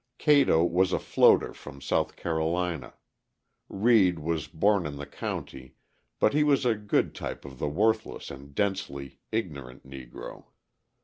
Cato was a floater from South Carolina. Reed was born in the county, but he was a good type of the worthless and densely ignorant Negro.